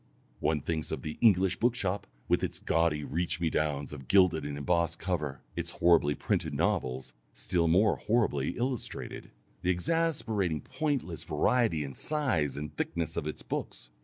One thinks of the English bookshop, with its gaudy reach me downs of gilded and embossed cover, its horribly printed novels still more horribly "illustrated," the exasperating pointless variety in the size and thickness of its books.